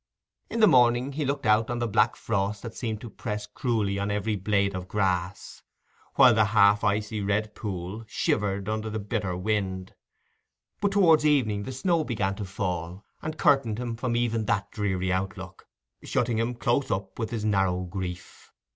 In the morning he looked out on the black frost that seemed to press cruelly on every blade of grass, while the half icy red pool shivered under the bitter wind; but towards evening the snow began to fall, and curtained from him even that dreary outlook, shutting him close up with his narrow grief.